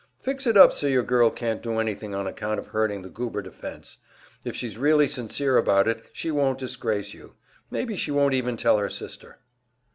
Fix it up so your girl can't do anything on account of hurting the Goober defense. If she's really sincere about it, she won't disgrace you; maybe she won't even tell her sister."